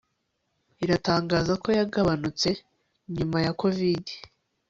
iratangaza ko yagabanutse nyuma ya Covidi